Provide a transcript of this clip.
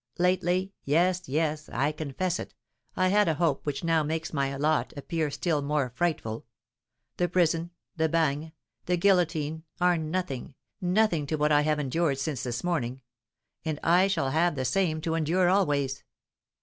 Lately yes, yes, I confess it I had a hope which now makes my lot appear still more frightful; the prison, the bagne, the guillotine, are nothing nothing to what I have endured since this morning; and I shall have the same to endure always.